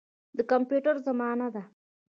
د کمپیوټر زمانه ده.